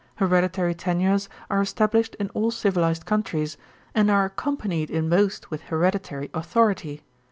Hereditary tenures are established in all civilised countries, and are accompanied in most with hereditary authority.